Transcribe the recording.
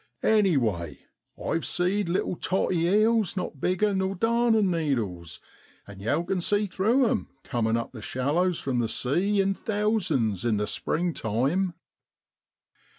Any way, I've seed little totty eels not bigger nor darnin' needles, and yow can see through 'em, coming up the shallows from the sea in thousands in the springtime.